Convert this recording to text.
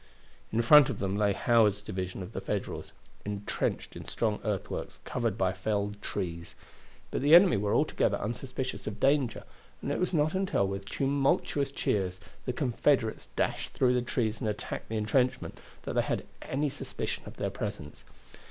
In front of them lay Howard's division of the Federals, intrenched in strong earthworks covered by felled trees; but the enemy were altogether unsuspicious of danger, and it was not until with tumultuous cheers the Confederates dashed through the trees and attacked the entrenchment that they had any suspicion of their presence.